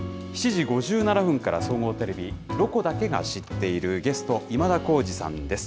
７時５７分から総合テレビ、ロコだけが知っている、ゲスト、今田耕司さんです。